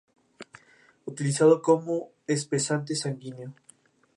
Utilizado como espesante sanguíneo.